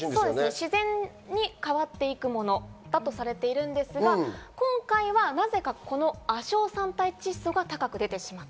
自然に変わっていくものだとされているんですが、今回はなぜか、この亜硝酸態窒素が高く出てしまった。